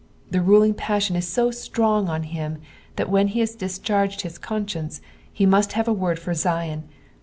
The ruling passion is so strong on him, that when he has discharged hia conscience he must have a word for Zion.